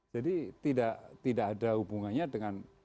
jadi tidak ada hubungannya dengan